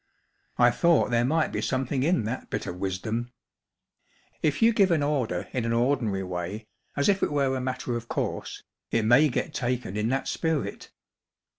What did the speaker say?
I thought there might be something in that bit of wisdom. If you give an order in an ordinary way* as if it were a matter of course, it may get taken in that spirit